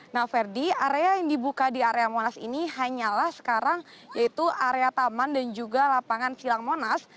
nah ferdi area yang dibuka di area monas ini hanyalah sekarang yaitu area taman dan juga lapangan silang monas